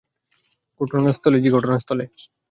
ঘটনাস্থলে জি ঘটনাস্থলে।